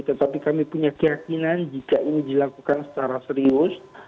tetapi kami punya keyakinan jika ini dilakukan secara serius